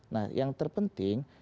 nah yang terpenting